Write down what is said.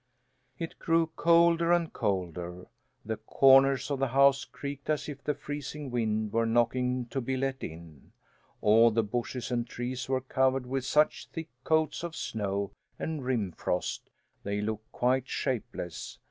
It grew colder and colder. The corners of the house creaked as if the freezing wind were knocking to be let in. All the bushes and trees were covered with such thick coats of snow and rim frost they looked quite shapeless.